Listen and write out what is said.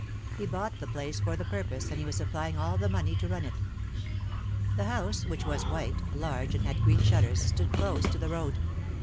He bought the place for the purpose and he was supplying all the money to run it. The house, which was white, large, and had green shutters, stood close to the road.